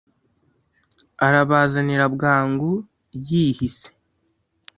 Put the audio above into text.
arabazanira bwangu yihise